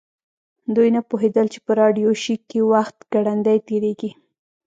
دوی نه پوهیدل چې په راډیو شیک کې وخت ګړندی تیریږي